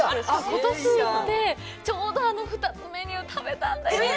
今年行って、ちょうどあの２つのメニュー、食べたんだよ。